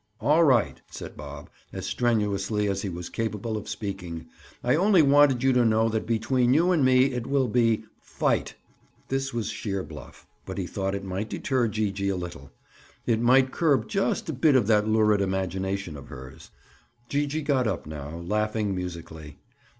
"All right," said Bob, as strenuously as he was capable of speaking. "I only wanted you to know that between you and me it will be—fight!" This was sheer bluff, but he thought it might deter Gee gee a little. It might curb just a bit that lurid imagination of hers. Gee gee got up now, laughing musically.